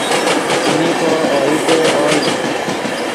څیمی کو اوئیتے اوئے